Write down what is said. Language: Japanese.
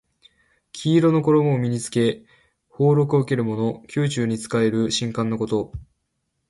黄色の衣を身に着け俸禄を受けるもの。宮中に仕える宦官のこと。